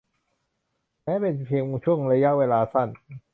แม้เป็นเพียงชั่วระยะเวลาสั้น